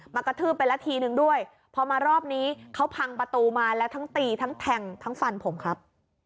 กระทืบไปละทีนึงด้วยพอมารอบนี้เขาพังประตูมาแล้วทั้งตีทั้งแทงทั้งฟันผมครับ